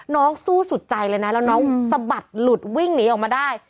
สู้สุดใจเลยนะแล้วน้องสะบัดหลุดวิ่งหนีออกมาได้